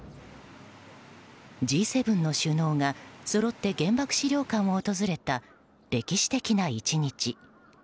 Ｇ７の首脳がそろって原爆資料館を訪れた歴史的な１日。